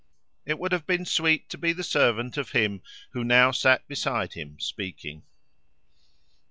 It would have been sweet to be the servant of him who now sat beside him speaking.